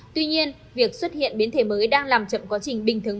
tuy nhiên việc xuất hiện biến thể mới đang làm chậm quá trình bình thường